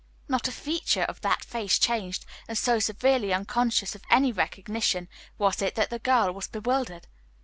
Not a feature of that face changed, and so severely unconscious of any recognition was it that the girl was bewildered.